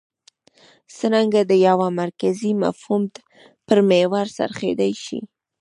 څرنګه د یوه مرکزي مفهوم پر محور څرخېدای شي.